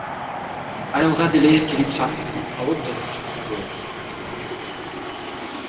Айылга деле келип шарт түзүп алып жашаса болот.